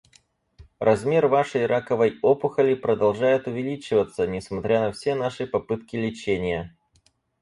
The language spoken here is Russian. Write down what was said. Размер вашей раковой опухоли продолжает увеличиваться несмотря на все наши попытки лечения.